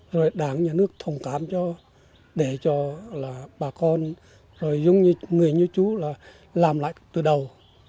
rồi đảng nhà nước thông cảm cho để cho là bà con rồi dung như người như chú là làm lại từ đầu